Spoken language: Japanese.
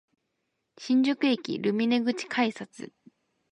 新宿駅ルミネ口改札